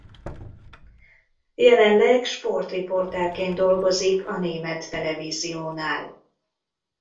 Jelenleg sportriporterként dolgozik a német televíziónál.